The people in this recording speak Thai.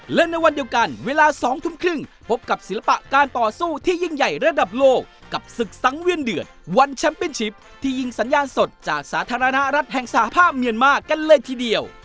และในวันเดียวกันเวลา๒ทุ่มครึ่งพบกับศิลปะการต่อสู้ที่ยิ่งใหญ่ระดับโลกกับศึกสังเวียนเดือดวันแชมป์เป็นชิปที่ยิงสัญญาณสดจากสาธารณรัฐแห่งสหภาพเมียนมากันเลยทีเดียว